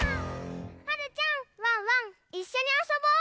はるちゃんワンワンいっしょにあそぼう。